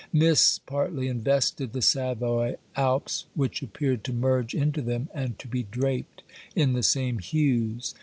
Mists partly invested the Savoy Alps, which appeared to merge into them and to be draped in the same hues.